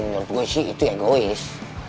menurut gue sih itu egois